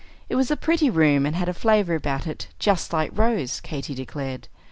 It was a pretty room, and had a flavor about it "just like Rose," Katy declared.